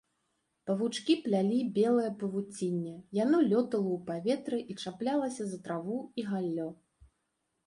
Павучкі плялі белае павуцінне, яно лётала ў паветры і чаплялася за траву і галлё.